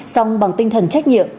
xong bằng tinh thần trách nhiệm